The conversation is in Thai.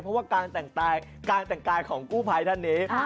เพราะว่าการแต่งกายของกู้พลายท่านนี้